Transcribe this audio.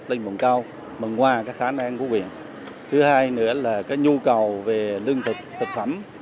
lên vùng cao mừng hoa các khả năng của huyện thứ hai nữa là nhu cầu về lương thực thực phẩm